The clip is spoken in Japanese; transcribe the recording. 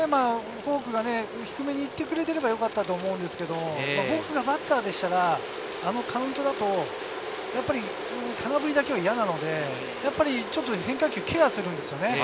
フォークが低めにいってくれてればよかったと思うんですけど、僕がバッターだったらあのカウントだと空振りだけは嫌なのでやっぱりちょっと変化球ケアするんです。